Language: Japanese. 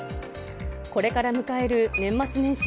これから迎える年末年始。